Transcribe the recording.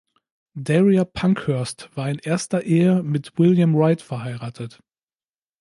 Daria Pankhurst war in erster Ehe mit "William Wright" verheiratet.